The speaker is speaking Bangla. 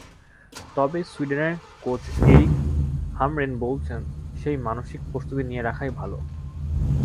তবে সুইডেনের কোচ এরিক হামরেন বলছেন, সেই মানসিক প্রস্তুতি নিয়ে রাখাই ভালো।